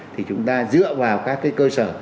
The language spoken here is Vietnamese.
thì chúng ta dựa vào các cái cơ sở